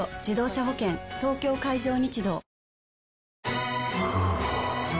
東京海上日動ふぅ